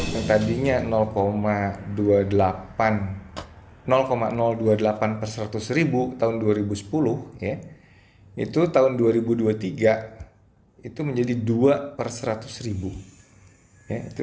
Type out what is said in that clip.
yang tadinya dua puluh delapan persatus ribu tahun dua ribu sepuluh itu tahun dua ribu dua puluh tiga itu menjadi dua persatus ribu